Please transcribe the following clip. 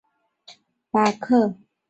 斯绍尔巴克。